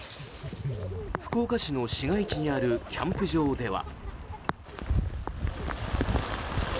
福岡市の市街地にあるキャンプ場では。